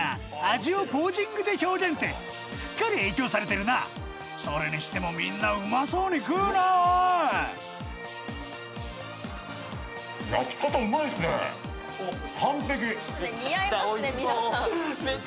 味をポージングで表現ってすっかり影響されてるなそれにしてもみんなうまそうに食うなおい似合いますね皆さん。